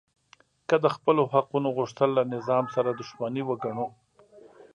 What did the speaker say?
که د خپلو حقونو غوښتل له نظام سره دښمني وګڼو